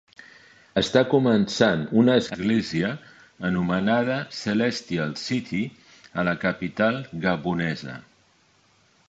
Està començant una església anomenada Celestial City a la capital gabonesa.